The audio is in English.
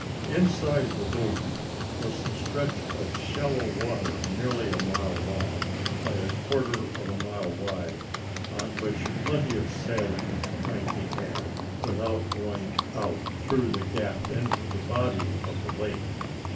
Inside the boom was a stretch of shallow water nearly a mile long by a quarter of a mile wide, on which plenty of sailing might be had without going out through the gap into the body of the lake.